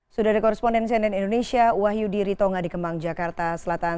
sudah ada korespondensi dari indonesia wahyudi ritonga di kemang jakarta selatan